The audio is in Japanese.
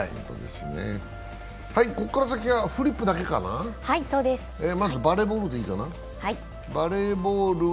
ここから先はフリップだけ、まずバレーボールかな。